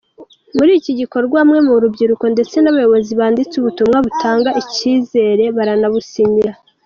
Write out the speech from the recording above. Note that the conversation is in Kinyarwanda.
Muri iki gikorwa bamwe mu rubyiruko ndetse n’abayobozi banditse ubutumwa butanga icyizere baranabusinyira.